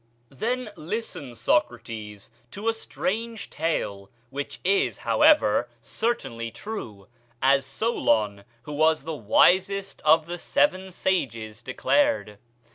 Then listen, Socrates, to a strange tale, which is, however, certainly true, as Solon, who was the wisest of the seven sages, declared.